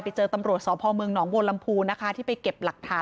ไปเจอตำรวจสพเมืองหนองบัวลำพูนะคะที่ไปเก็บหลักฐาน